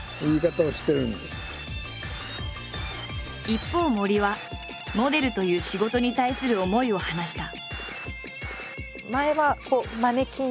一方森はモデルという仕事に対する思いを話した。